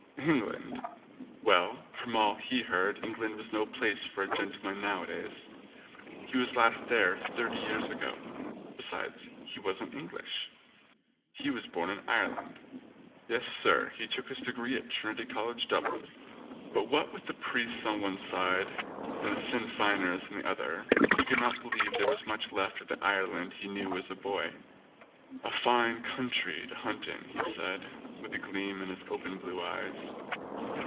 England? Well, from all he heard England was no place for a gentleman nowadays. He was last there thirty years ago. Besides he wasn't Eng lish. He was born in Ireland. Yes, Sir, he took his degree at Trinity College, Dublin; but what with the priests on one side and the Sinn Feiners on the other he could not believe there was much left of the Ireland he knew as a boy. A fine coun try to hunt in, he said, with a gleam in his open blue eyes.